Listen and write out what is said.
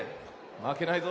まけないぞ。